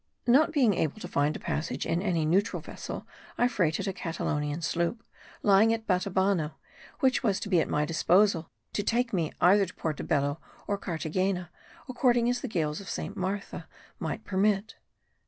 Not being able to find a passage in any neutral vessel, I freighted a Catalonian sloop, lying at Batabano, which was to be at my disposal to take me either to Porto Bello or Carthagena, according as the gales of Saint Martha might permit.